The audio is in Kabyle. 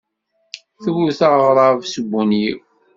Twet aɣrab s ubunyiw.